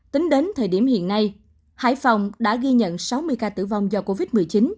tính đến thời điểm hiện nay hải phòng đã ghi nhận sáu mươi ca tử vong do covid một mươi chín